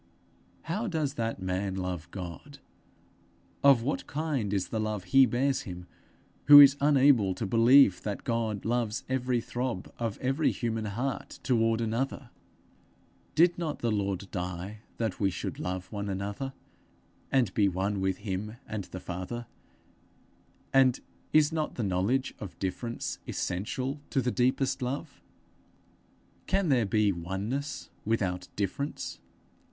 How does that man love God of what kind is the love he bears him who is unable to believe that God loves every throb of every human heart toward another? Did not the Lord die that we should love one another, and be one with him and the Father, and is not the knowledge of difference essential to the deepest love? Can there be oneness without difference?